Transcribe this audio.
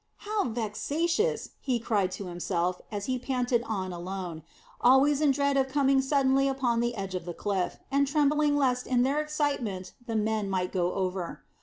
"How vexatious!" he cried to himself, as he panted on alone, always in dread of coming suddenly upon the edge of the cliff, and trembling lest in their excitement the men might go over.